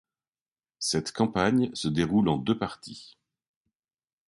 Cette campagne se déroule en deux parties.